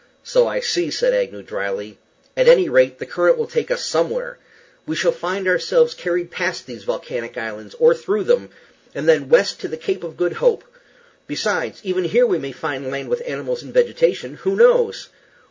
"So I see," said Agnew, dryly. "At any rate, the current will take us somewhere. We shall find ourselves carried past these volcanic islands, or through them, and then west to the Cape of Good Hope. Besides, even here we may find land with animals and vegetation; who knows?"